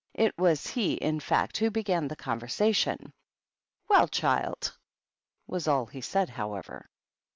It was he, in fact, who began the conversation. "Well, child!" was all he said, however.